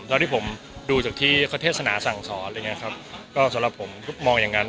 ตอนที่ผมดูจากที่เทศนาสั่งสอนเลยนะครับก็สำหรับผมก็มองอย่างนั้น